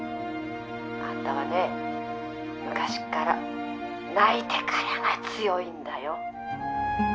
「アンタは昔から泣いてからが強いんだよ」